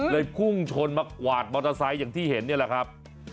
พุ่งชนมากวาดมอเตอร์ไซค์อย่างที่เห็นนี่แหละครับ